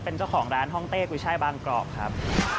เป็นเจ้าของร้านห้องเต้กุ้ยช่ายบางกรอบครับ